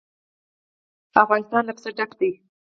افغانستان له پسه ډک دی.